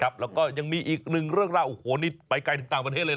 แล้วก็ยังมีอีกหนึ่งเรื่องราวโอ้โหนี่ไปไกลถึงต่างประเทศเลยนะ